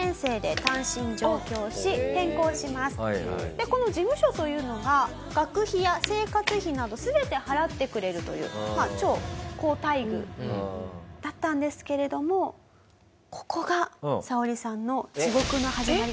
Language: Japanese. でこの事務所というのが学費や生活費など全て払ってくれるという超好待遇だったんですけれどもここがサオリさんの地獄の始まり。